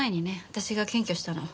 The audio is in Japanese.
私が検挙したの。